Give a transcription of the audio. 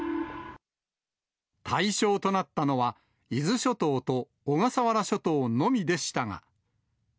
対象となったのは、伊豆諸島と小笠原諸島のみでしたが。